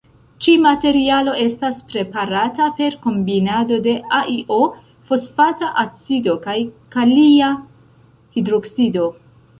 Ĉi-materialo estas preparata per kombinado de AlO, fosfata acido kaj kalia hidroksido.